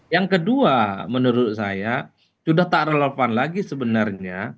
yang kedua menurut saya sudah tak relevan lagi sebenarnya